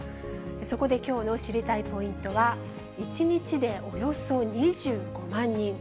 そこできょうの知りたいポイントは、１日でおよそ２５万人。